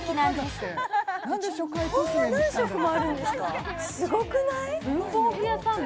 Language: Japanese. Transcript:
すごくない？